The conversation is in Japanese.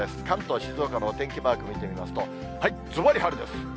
関東、静岡のお天気マーク見てみますと、ずばり晴れです。